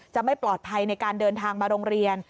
จะไม่ปลอดภัยในการเดินทางมาโรงเรียน